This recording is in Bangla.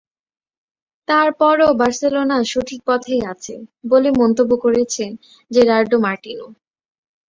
তার পরও বার্সেলোনা সঠিক পথেই আছে বলে মন্তব্য করেছেন জেরার্ডো মার্টিনো।